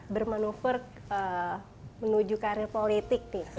bermanufur menuju karir politik